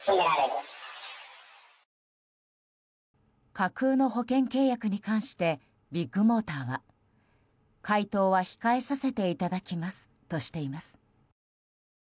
架空の保険契約に関してビッグモーターは回答は控えさせていただくとしています。